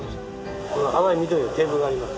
淡い緑のテーブルがあります。